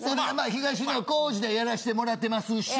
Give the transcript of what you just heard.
東野幸治でやらしてもらってますし。